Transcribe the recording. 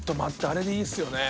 あれでいいんすよね？